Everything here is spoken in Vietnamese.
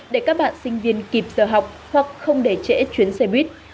để các bạn sinh viên kịp giờ học hoặc không để trễ chuyến xe buýt